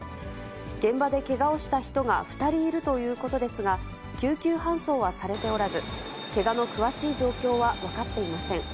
現場でけがをした人が２人いるということですが、救急搬送はされておらず、けがの詳しい状況は分かっていません。